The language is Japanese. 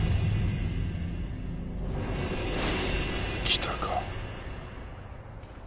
来たか。